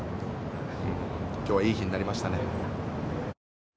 今日はいい日になりましたね。